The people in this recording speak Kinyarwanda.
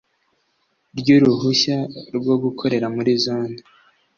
Ry uruhushya rwo gukorera muri zone